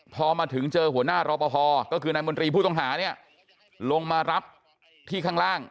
พอมาถึงเจอหัวหน้ารอปภก็คือนายมนตรีผู้ต้องหาเนี่ยลงมารับที่ข้างล่าง